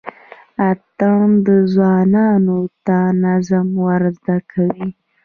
اتڼ ځوانانو ته نظم ور زده کوي.